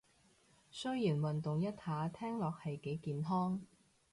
雖然運動一下聽落係幾健康